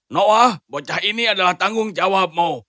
noah bocah ini adalah tanggung jawabmu